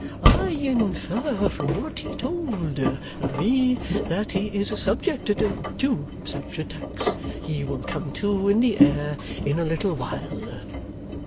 'I infer from what he told me that he is subject to such attacks. He will come to, in the air, in a little while.